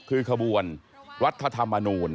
คือขบวนรัฐธรรมนูล